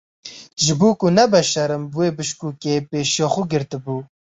Ji bo ku nebe şerm bi wê bişkokê pêşiya xwe girtibû.